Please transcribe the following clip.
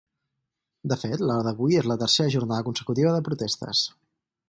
De fet, la d’avui és la tercera jornada consecutiva de protestes.